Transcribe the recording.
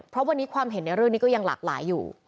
เพราะวันนี้ความเห็นในเรื่องนี้ก็ยังหลากหลายอยู่